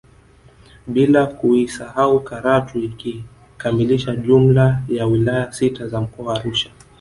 Bila kuisahau Karatu ikikamilisha jumla ya wilaya sita za mkoa wa Arusha